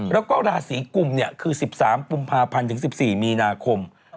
แล้วก็ราศีกุมคือ๑๓กุมภาพันธ์ถึง๑๔มีนาคม